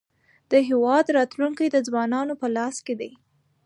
د هېواد راتلونکی د ځوانانو په لاس کې دی.